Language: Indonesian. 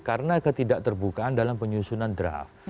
karena ketidak terbuka dalam penyusunan draft